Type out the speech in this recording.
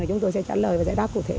chúng tôi sẽ trả lời và giải đáp cụ thể